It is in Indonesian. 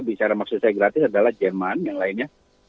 bicara maksud saya gratis adalah jerman yang lainnya